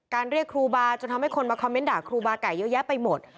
เรียกครูบาจนทำให้คนมาคอมเมนต์ด่าครูบาไก่เยอะแยะไปหมด